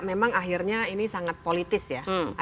memang akhirnya ini sangat politis ya